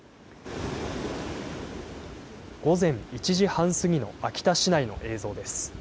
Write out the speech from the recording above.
午前１時半過ぎの秋田市内の映像です。